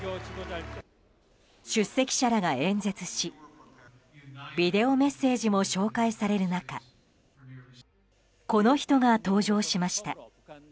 出席者らが演説しビデオメッセージも紹介される中この人が登場しました。